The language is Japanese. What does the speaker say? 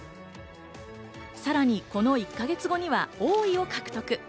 さらにこの１か月後には王位を獲得。